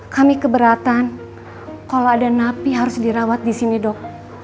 kami keberatan kalau ada napi harus dirawat disini dok